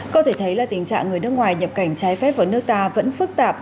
có thể thấy là tình trạng người nước ngoài nhập cảnh trái phép vào nước ta vẫn phức tạp